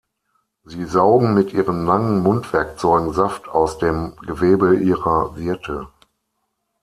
Sie saugen mit ihren langen Mundwerkzeugen Saft aus dem Gewebe ihrer Wirte.